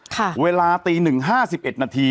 ค่ะเวลาตี๑๕๑นาที